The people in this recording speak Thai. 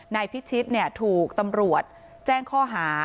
นายพิชิตถูกตำรวจแจ้งข้อหา